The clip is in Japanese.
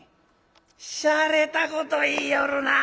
「しゃれたこと言いよるなあ。